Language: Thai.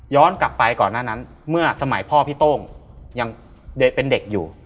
กลับไปก่อนหน้านั้นเมื่อสมัยพ่อพี่โต้งยังเป็นเด็กอยู่